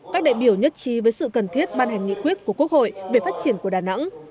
các đại biểu nhất trí với sự cần thiết ban hành nghị quyết của quốc hội về phát triển của đà nẵng